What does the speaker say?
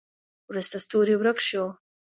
وروسته ستوری ورک شو.